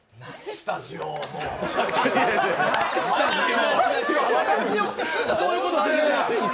スタジオってすぐそういうことするよね。